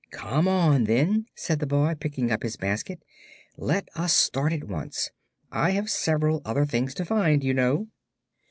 "Come on, then," said the boy, picking up his basket; "let us start at once. I have several other things to find, you know."